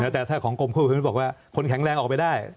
แต่ถ้าของกรมควบคุมบอกว่าคนแข็งแรงออกไปได้